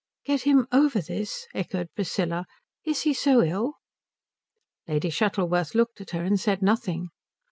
"Get him over this?" echoed Priscilla. "Is he so ill?" Lady Shuttleworth looked at her and said nothing.